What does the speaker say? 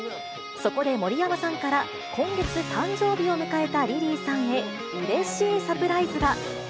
そこで盛山さんから、今月誕生日を迎えたリリーさんへ、うれしいサプライズが。